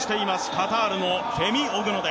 カタールのフェミ・オグノデ。